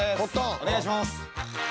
お願いします。